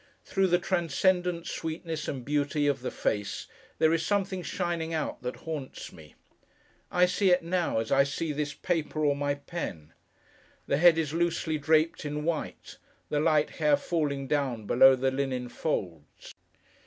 Through the transcendent sweetness and beauty of the face, there is a something shining out, that haunts me. I see it now, as I see this paper, or my pen. The head is loosely draped in white; the light hair falling down below the linen folds.